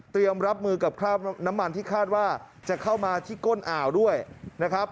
รับมือกับคราบน้ำมันที่คาดว่าจะเข้ามาที่ก้นอ่าวด้วยนะครับ